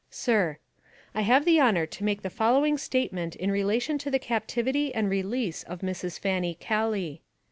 SIR: I have the honor to make the following statement in relation to the captivity and release of Mrs. Fanny Kelly.